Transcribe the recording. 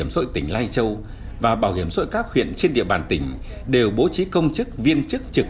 sội tỉnh lai châu và bảo hiểm sội các huyện trên địa bàn tỉnh đều bố trí công chức viên chức trực